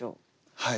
はい。